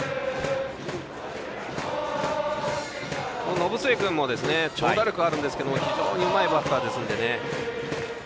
延末君も長打力があるんですが非常にうまいバッターですのでね。